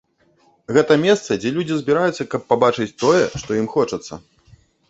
Гэта месца, дзе людзі збіраюцца, каб пабачыць тое, што ім хочацца.